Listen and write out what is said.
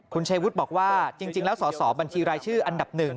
คุณชายวุฒิบอกว่าจริงแล้วสอบรรทีรายชื่ออันดับหนึ่ง